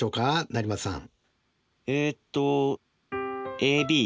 成松さん。